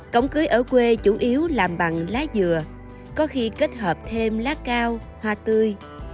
cổng cưới ở quê chủ yếu làm bằng lá dừa có khi kết hợp thêm lá cao hoa tươi